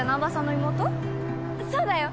そうだよ